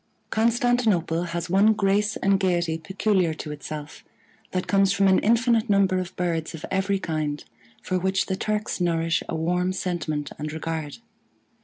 Constantinople has one grace and gayety peculiar to itself, that comes from an infinite number of birds of every kind, for which the Turks nourish a warm sentiment and regard.